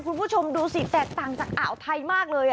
คุณผู้ชมดูสิแตกต่างจากอ่าวไทยมากเลย